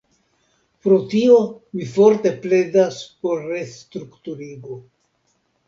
Pro tio mi forte pledas por restrukturigo.